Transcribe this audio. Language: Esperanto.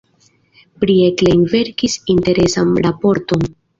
Prie Klein verkis interesan raporton.